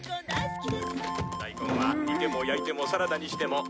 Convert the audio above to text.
「だいこんは煮ても焼いてもサラダにしても」